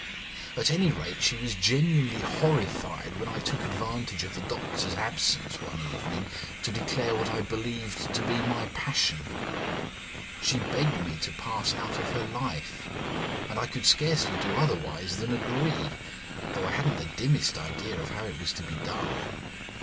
"At any rate, she was genuinely horrified when I took advantage of the doctor's absence one evening to declare what I believed to be my passion. She begged me to pass out of her life, and I could scarcely do otherwise than agree, though I hadn't the dimmest idea of how it was to be done.